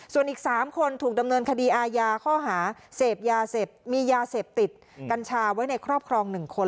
ส่วนอีก๓คนถูกดำเนินคดีอาญาข้อหาเสพยาเสพมียาเสพติดกัญชาไว้ในครอบครอง๑คน